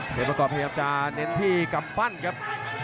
ประกอบพยายามจะเน้นที่กำปั้นครับ